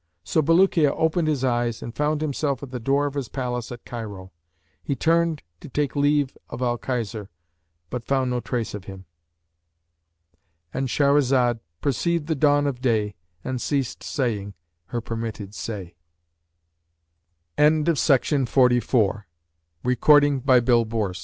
So Bulukiya opened his eyes and found himself at the door of his palace at Cairo. He turned, to take leave of Al Khizr, but found no trace of him."—And Shahrazad perceived the dawn of day and ceased saying her permitted say. When it was the Five Hundred and Thirty third Night, She said, I